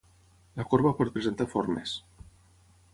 La corba pot presentar formes.